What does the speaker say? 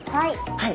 はい。